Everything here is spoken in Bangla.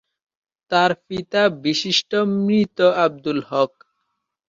তার পিতা বিশিষ্ট মৃত আবদুল হক।